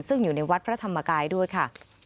ซึ่งอยู่ในวัดพระธรรมกายด้วยค่ะ